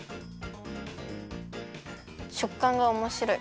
しょっかんがおもしろい。